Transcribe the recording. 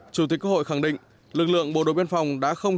chủ tịch quốc hội khẳng định lực lượng bộ đội biên phòng đã không